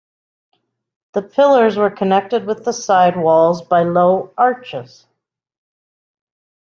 The pillars were connected with the side walls by low arches.